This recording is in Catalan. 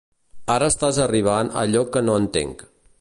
Ara estàs arribant a allò que no entenc.